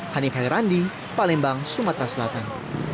hanif hairandi palembang sumatera selatan